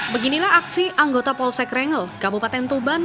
beginilah aksi anggota polsek rengel kabupaten tuban